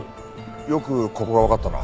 よくここがわかったな。